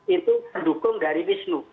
itu pendukung dari wisnu